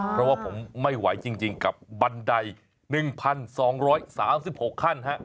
เพราะว่าผมไม่ไหวจริงกับบันได๑๒๓๖ขั้น